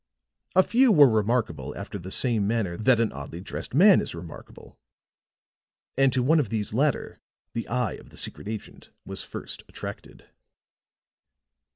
A few were remarkable after the same manner that an oddly dressed man is remarkable; and to one of these latter the eye of the secret agent was first attracted.